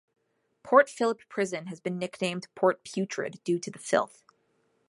Port Philip Prison has been nicknamed Port Putrid due to the filth.